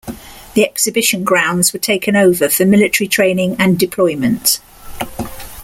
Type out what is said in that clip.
The Exhibition Grounds were taken over for military training and deployment.